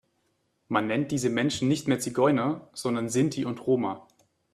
Man nennt diese Menschen nicht mehr Zigeuner, sondern Sinti und Roma.